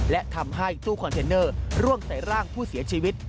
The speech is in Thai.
และทำให้ตู้คอนเทนเนอร์ร่วงใส่ร่างผู้เสียชีวิต